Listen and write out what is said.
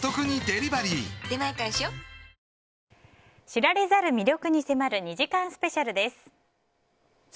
知られざる魅力に迫る２時間スペシャルです。